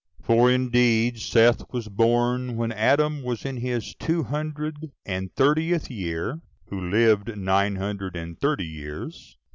4. For indeed Seth was born when Adam was in his two hundred and thirtieth year, who lived nine hundred and thirty years.